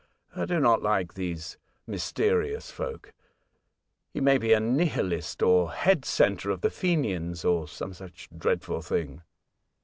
" I do not like these mysterious folk. He may be a Nihilist, or head centre of the Fenians, or some such dreadful thing."